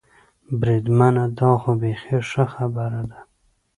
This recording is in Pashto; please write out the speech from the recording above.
بریدمنه، دا خو بېخي ښه خبره ده.